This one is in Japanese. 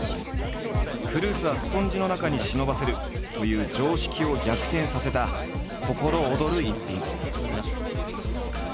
フルーツはスポンジの中に忍ばせるという常識を逆転させた心躍る逸品。